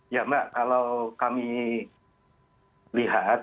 ya mbak kalau kami lihat